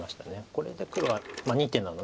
これで黒は２手なので。